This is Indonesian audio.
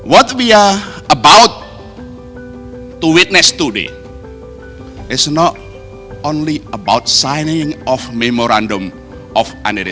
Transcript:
apa yang kita akan perhatikan hari ini bukan hanya tentang menandatangani memorandum kebenaran